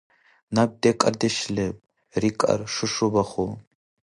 – Наб декӀардеш леб, – рикӀар Шушу-Баху.